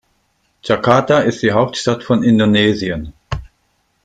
Jakarta ist die Hauptstadt von Indonesien.